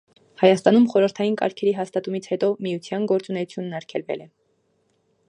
Հայաստանում խորհրդային կարգերի հաստատումից հետո միության գործունեությունն արգելվել է։